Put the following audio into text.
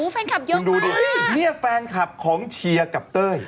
ฟันคับเยอะมากคุณดูดูดูนี่แฟนคับของเชียร์กับเต้ย